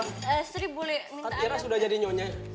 kak ira sudah jadi nyonya